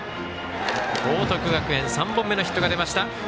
報徳学園３本目のヒットが出ました。